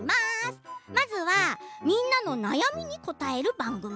まずはみんなの悩みに答える番組。